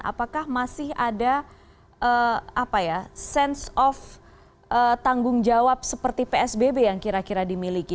apakah masih ada sense of tanggung jawab seperti psbb yang kira kira dimiliki